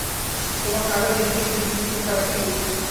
তোমার কাঁটা যে দিকে, সে দিকে কিছু একটা আছে কি?